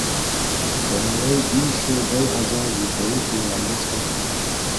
کمراݵ بیشوہ دیݵ ہزار روپیے کیرایا چھاہ